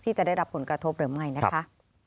จะได้รับผลกระทบหรือไม่นะคะ